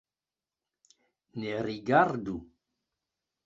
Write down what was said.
Ne rigardu!